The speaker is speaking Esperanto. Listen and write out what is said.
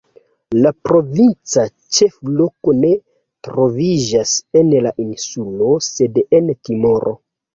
La provinca ĉefloko ne troviĝas en la insulo sed en Timoro.